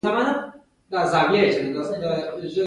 ویده کس د بیدارۍ احساس نه لري